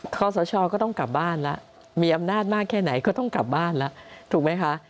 ขอสชก็ต้องกลับบ้านแล้วมีอำนาจมากแค่ไหนก็ต้องกลับบ้านแล้วถูกไหมคะ